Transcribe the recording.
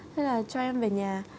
thế là cho em về nhà